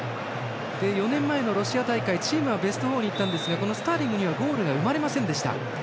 ４年前のロシア大会チームはベスト４いったんですがスターリングにはゴールは生まれませんでした。